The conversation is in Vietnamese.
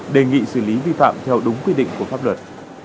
đề nghị xử lý vi phạm theo đúng quy định của pháp luật